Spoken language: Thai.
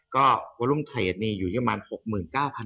ก็วอลุมเทรดอยู่อยู่ประมาณ๖๙๐๐๐บาท